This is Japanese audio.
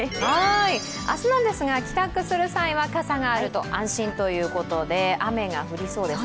明日ですが、帰宅する際は傘があると安心ということで、雨が降りそうですか。